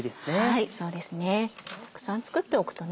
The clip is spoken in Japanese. はいそうですねたくさん作っておくとね